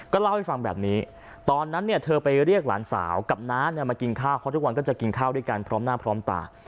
เล่าให้ฟังแบบนี้ตอนนั้นเนี่ยเธอไปเรียกหลานสาวกับน้ามากินข้าวเพราะทุกวันก็จะกินข้าวด้วยกันพร้อมหน้าพร้อมตา